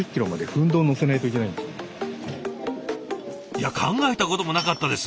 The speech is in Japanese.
いや考えたこともなかったです。